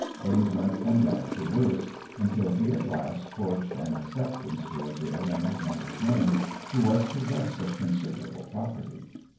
Things went from bad to worse until he at last forged an acceptance to a bill in his mother's name, who was possessed of considerable property.